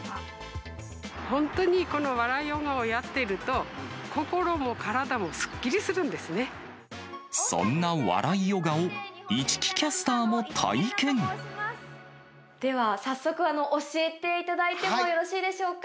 本当にこの笑いヨガをやってると、そんな笑いヨガを市來キャスでは、早速、教えていただいてもよろしいでしょうか？